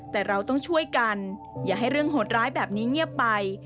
แต่เราต้องช่วยกันอย่าให้เรื่องโหดร้ายแบบนี้เงียบไป